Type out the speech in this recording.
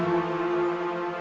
jangan lupa bang eri